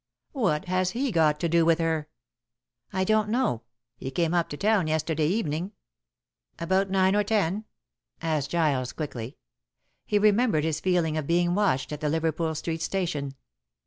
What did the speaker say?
"What has he got to do with her?" "I don't know. He came up to town yesterday evening." "About nine or ten?" asked Giles quickly. He remembered his feeling of being watched at the Liverpool Street Station.